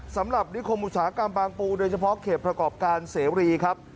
สำหรับนิคมอุตสาหกรรมบางปูโดยเฉพาะเขตประกอบการเสรีครับ